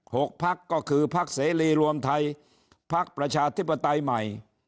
หกภักดิ์ก็คือภักดิ์เสรีรวมไทยภักดิ์ประชาธิปไตยใหม่